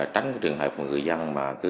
tránh trường hợp của người dân